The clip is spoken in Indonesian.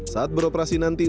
saat beroperasi nanti